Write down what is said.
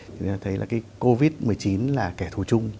thì mình đã thấy là cái covid một mươi chín là kẻ thù chung